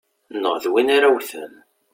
Neɣ d win ara wten.